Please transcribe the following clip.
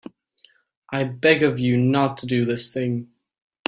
I beg of you not to do this thing.